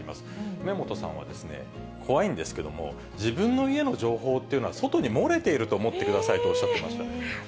梅本さんは、怖いんですけども、自分の家の情報というのは外に漏れていると思ってくださいとおっ恐ろしい。